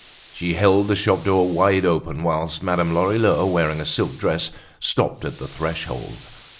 She held the shop door wide open whilst Madame Lorilleux, wearing a silk dress, stopped at the threshold.